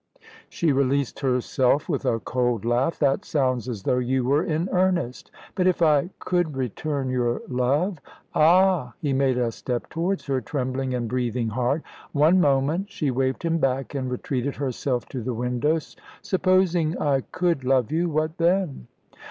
She released herself with a cold laugh. "That sounds as though you were in earnest. But if I could return your love " "Ah!" he made a step towards her, trembling and breathing hard. "One moment." She waved him back, and retreated herself to the window. "Supposing I could love you what then?"